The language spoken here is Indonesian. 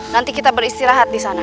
nanti kita beristirahat disana